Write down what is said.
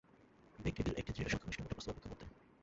Vegreville একটি দৃঢ় সংখ্যাগরিষ্ঠ ভোটে প্রস্তাবের পক্ষে ভোট দেন।